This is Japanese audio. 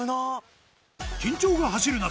緊張が走る中